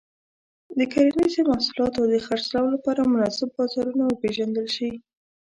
د کرنيزو محصولاتو د خرڅلاو لپاره مناسب بازارونه وپیژندل شي.